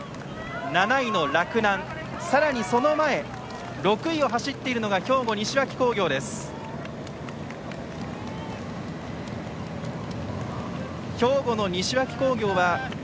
７位の洛南、さらにその前６位に走っているのが兵庫・西脇工業です。